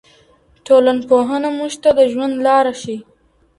ټولنپوهنه موږ ته د ژوند لاره ښیي.